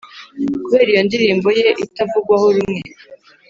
Kubera iyo ndirimbo ye itavugwaho rumwe